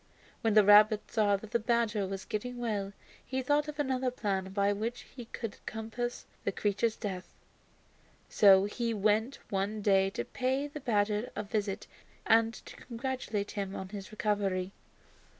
When the rabbit saw that the badger was getting well, he thought of another plan by which he could compass the creature's death. So he went one day to pay the badger a visit and to congratulate him on his recovery.